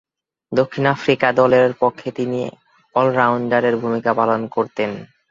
দক্ষিণ আফ্রিকা দলের পক্ষে তিনি অল-রাউন্ডারের ভূমিকা পালন করতেন।